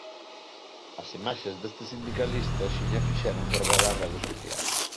As imaxes deste sindicalista axiña fixeron ferver as redes sociais.